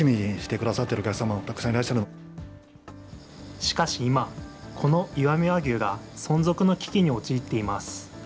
しかし今、この石見和牛が存続の危機に陥っています。